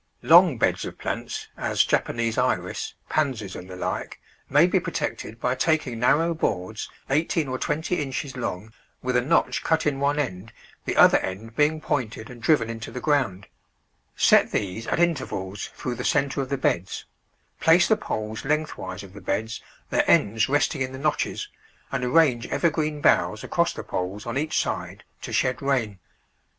Long beds of plants— as Japanese Iris, Pansies, and the like — maybe protected by taking narrow boards eighteen or twenty inches long, with a notch cut in one end, the other end being pointed and driven into the ground; set these at intervals through the centre of the beds; place the poles lengthwise of the beds, their ends resting in the notches, and arrange evergreen boughs across the poles on each side to shed rain.